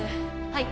はい。